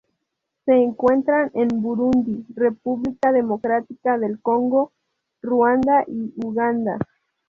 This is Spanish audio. Se encuentran en Burundi, República Democrática del Congo, Ruanda, y Uganda.